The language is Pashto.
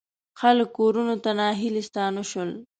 خلک کورونو ته ناهیلي ستانه شول.